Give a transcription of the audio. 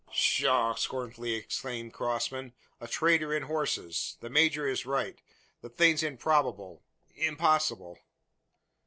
"Pshaw!" scornfully exclaimed Crossman; "a trader in horses! The major is right the thing's improbable impossible."